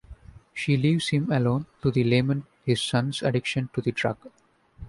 She leaves him alone to lament his son's addiction to the drug.